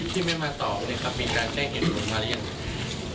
ที่ไม่มาตอบมีการแจ้งเห็นว่าละยังไง